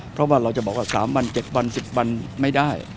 เพราะว่าเราจะบอกว่าสามบันแจ้งสิบบันไม่ได้